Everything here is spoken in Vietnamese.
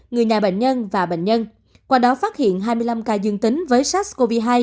người nhà bệnh nhân và bệnh nhân qua đó phát hiện hai mươi năm ca dương tính với sars cov hai